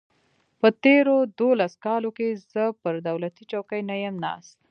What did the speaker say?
په تېرو دولسو کالو کې زه پر دولتي چوکۍ نه یم ناست.